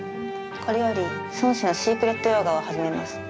これより尊師のシークレット・ヨーガを始めます。